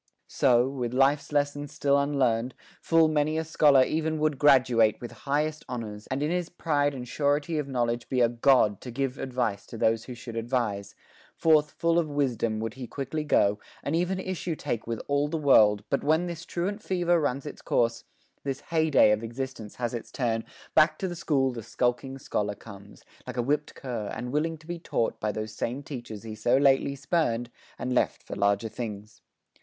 So, with life's lessons still unlearned Full many a scholar e'en would graduate With highest honors, and in his pride And surety of knowledge be a god To give advice to those who should advise; Forth full of wisdom would he quickly go, And even issue take with all the world, But when this truant fever runs its course, This hey day of existence has its turn, Back to the school the skulking scholar comes, Like a whipped cur, and willing to be taught By those same teachers he so lately spurn'd, And left for larger things.